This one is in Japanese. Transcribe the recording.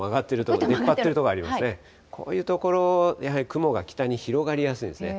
こういう所、やはり雲が北に広がりやすいんですね。